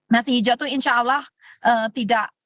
nasi hijau itu insya allah tidak